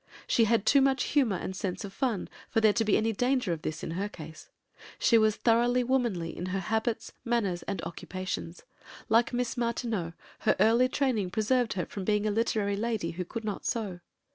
She had too much humour and sense of fun for there to be any danger of this in her case. She was thoroughly womanly in her habits, manners, and occupations. Like Miss Martineau, her early training preserved her from being a literary lady who could not sew.